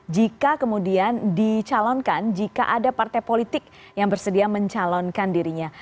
jika kemudian dicalonkan jika ada partai politik yang bersedia mencalonkan dirinya